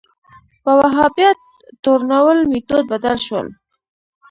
په وهابیت تورنول میتود بدل شو